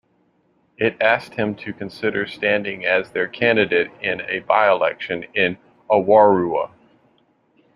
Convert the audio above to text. It asked him to consider standing as their candidate in a by-election in Awarua.